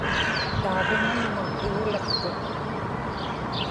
taavuŋanmun igliqtut